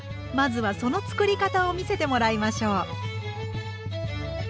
まずはその作り方を見せてもらいましょう。